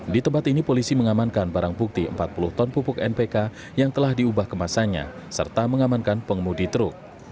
di tempat ini polisi mengamankan barang bukti empat puluh ton pupuk npk yang telah diubah kemasannya serta mengamankan pengemudi truk